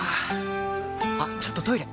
あっちょっとトイレ！